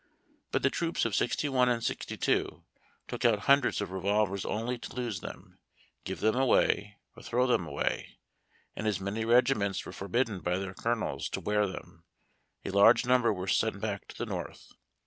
But the troops of '61 and '62 took out hundreds of revolvers only to lose them, give them away, or throw them away ; and as many regi ments were forbidden by their colonels to wear them, a larsre number were sent back to the North.